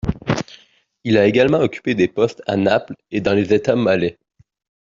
Il a également occupé des postes à Naples et dans les États malais.